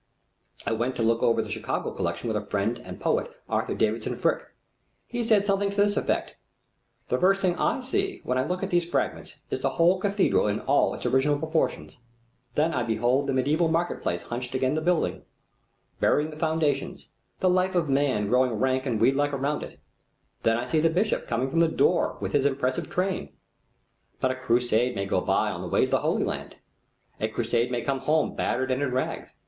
I went to look over the Chicago collection with a friend and poet Arthur Davison Ficke. He said something to this effect: "The first thing I see when I look at these fragments is the whole cathedral in all its original proportions. Then I behold the mediæval marketplace hunched against the building, burying the foundations, the life of man growing rank and weedlike around it. Then I see the bishop coming from the door with his impressive train. But a crusade may go by on the way to the Holy Land. A crusade may come home battered and in rags.